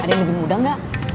ada yang lebih muda nggak